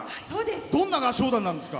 どんな合唱団なんですか？